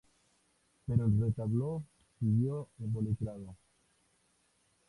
Pero el retablo siguió evolucionando.